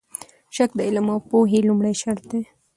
شک د علم او پوهې لومړی شرط دی.